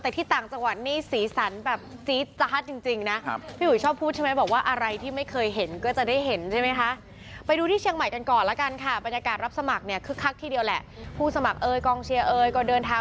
แต่ที่ต่างจังหวัดนี่สีสันแบบจี๊ดจัดจริงนะ